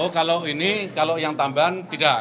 kalau ini kalau yang tambahan tidak